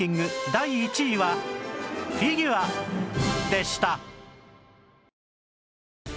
第１位はフィギュアでした